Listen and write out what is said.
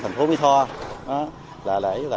thành phố mỹ tho là lại